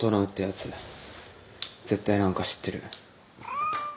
絶対何か知ってる。